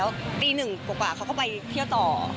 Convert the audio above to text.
แล้วตีหนึ่งกว่าเขาก็ไปเที่ยวต่อ